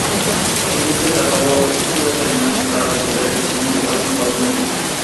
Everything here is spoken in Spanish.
En este tratado usó determinantes para resolver ecuaciones de cuatro incógnitas.